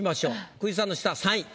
久慈さんの下３位。